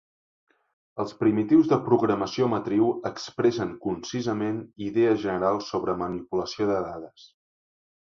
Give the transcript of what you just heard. Els primitius de programació matriu expressen concisament idees generals sobre manipulació de dades.